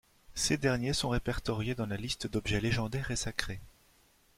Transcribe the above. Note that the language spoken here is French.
Ces derniers sont répertoriés dans la liste d'objets légendaires et sacrés.